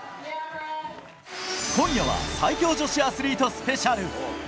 今夜は最強女子アスリートスペシャル。